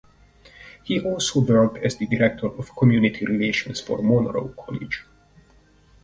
He also worked as the director of community relations for Monroe College.